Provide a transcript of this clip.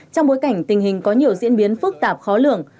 trong bối cảnh tình hình có nhiều diễn biến phức tạp khó lường